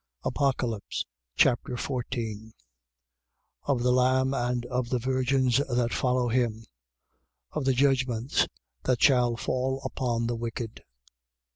Apocalypse Chapter 14 Of the Lamb and of the virgins that follow him. Of the judgments that shall fall upon the wicked.